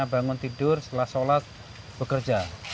bangun tidur setelah sholat bekerja